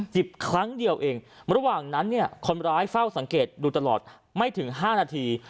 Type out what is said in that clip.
ครั้งเดียวเองระหว่างนั้นเนี่ยคนร้ายเฝ้าสังเกตดูตลอดไม่ถึง๕นาที